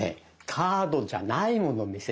カードじゃないもの見せるね。